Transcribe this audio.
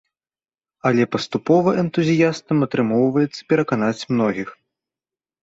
Але паступова энтузіястам атрымоўваецца пераканаць многіх.